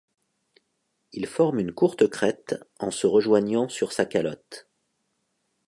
Ils forment une courte crête en se rejoignant sur sa calotte.